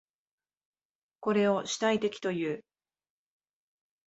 これを主体的という。